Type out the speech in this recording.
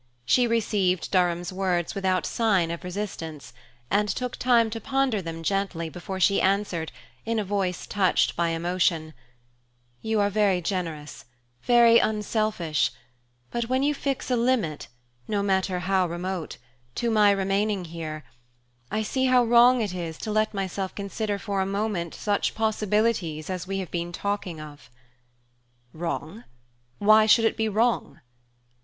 She received Durham's words without sign of resistance, and took time to ponder them gently before she answered in a voice touched by emotion: "You are very generous very unselfish; but when you fix a limit no matter how remote to my remaining here, I see how wrong it is to let myself consider for a moment such possibilities as we have been talking of." "Wrong? Why should it be wrong?"